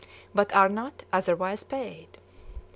but are not otherwise paid.